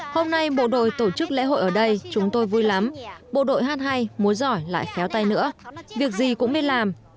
hôm nay bộ đội tổ chức lễ hội ở đây chúng tôi vui lắm bộ đội hát hay muối giỏi lại khéo tay nữa việc gì cũng biết làm